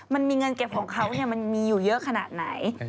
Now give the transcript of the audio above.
มันมีเงินเก็บของเขามันมีอยู่เยอะขนาดไหน